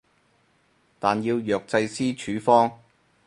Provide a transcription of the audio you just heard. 但要藥劑師處方